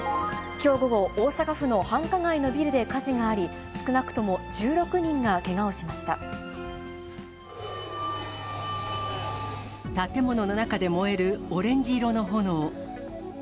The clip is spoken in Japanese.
きょう午後、大阪府の繁華街のビルで火事があり、少なくとも１６建物の中で燃えるオレンジ色の炎。